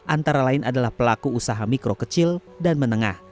antara lain adalah pelaku usaha mikro kecil dan menengah